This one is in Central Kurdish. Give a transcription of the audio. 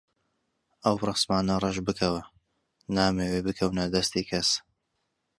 ئەو ڕەسمانە ڕەش بکەوە، نامەوێ بکەونە دەستی کەس.